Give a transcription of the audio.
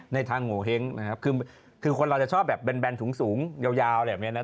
ในทางโหฮิงคือคนเราจะชอบแบนถุงสูงยาวอะไรแบบนี้นะ